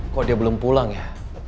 kok dia belum pulang ya